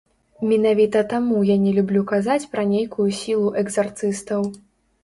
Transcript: Менавіта таму я не люблю казаць пра нейкую сілу экзарцыстаў.